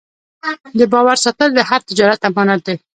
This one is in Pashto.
د باور ساتل د هر تجارت امانت دی.